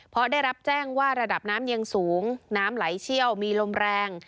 เพราะได้รับแจ้งว่าระดับน้ำยังสูงน้ำไหลเชี่ยวมีลมแรง